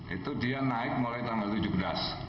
itu dia naik mulai tanggal tujuh belas